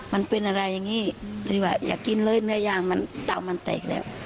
มันเป็นอะไรอย่างงี้แต่นี่แหวะอยากกินเลยเนื้อย่างมันเตามันแตกแล้ว